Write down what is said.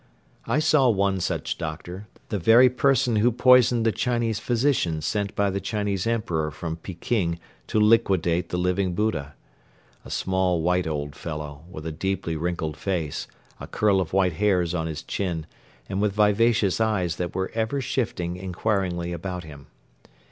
I saw one such doctor, the very person who poisoned the Chinese physician sent by the Chinese Emperor from Peking to "liquidate" the Living Buddha, a small white old fellow with a deeply wrinkled face, a curl of white hairs on his chin and with vivacious eyes that were ever shifting inquiringly about him.